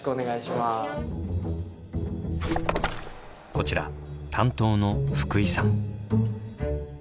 こちら担当の福井さん。